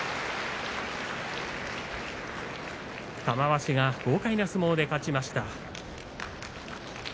玉鷲が豪快な相撲で勝ちました。